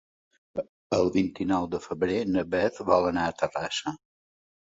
El vint-i-nou de febrer na Beth vol anar a Terrassa.